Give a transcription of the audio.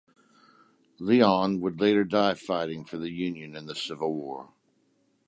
Lyon would later die fighting for the Union in the Civil War.